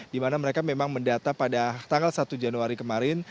dimana mereka memang mendata pada tanggal satu januari kemarin